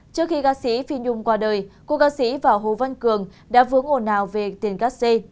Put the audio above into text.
trước khi ca sĩ phi nhung qua đời cố ca sĩ và hồ văn cường đã vướng ồn ào về tiền cắt xê